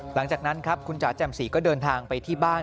หลังจากนั้นครับคุณจ๋าแจ่มสีก็เดินทางไปที่บ้าน